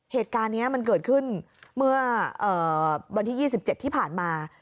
เหตุการณ์นี้มันเกิดขึ้นเมื่อวันที่๒๗ที่ผ่านมา